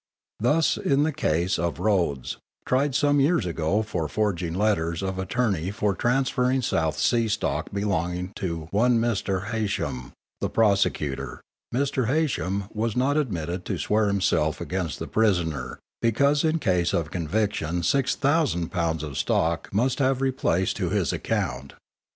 Thus in the case of Rhodes, tried some years ago for forging letters of attorney for transferring South Sea Stock belonging to one Mr. Heysham, the prosecutor, Mr. Heysham, was not admitted to swear himself against the prisoner because in case of conviction six thousand pounds stock must have replaced to his account.